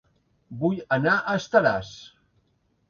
Vull anar a Estaràs